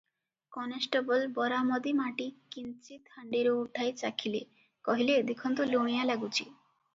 Constable ବରାମଦି ମାଟି କିଞ୍ଚିତ୍ ହାଣ୍ଡିରୁ ଉଠାଇ ଚାଖିଲେ, କହିଲେ, "ଦେଖନ୍ତୁ ଲୁଣିଆ ଲାଗୁଛି ।"